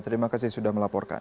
terima kasih sudah melaporkan